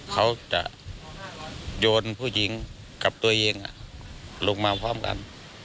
เขาจะโยนผู้หญิงกับตัวเองลงมาพร้อมกัน